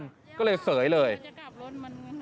จังหวะคือกลับรถ